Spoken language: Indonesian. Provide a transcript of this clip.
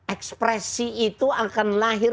ekspresi itu akan lahir